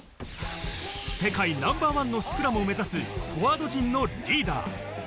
世界ナンバーワンのスクラムを目指すフォワード陣のリーダー。